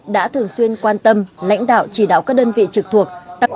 đã thường xuyên quan tâm lãnh đạo chỉ đạo các đơn vị trực thuộc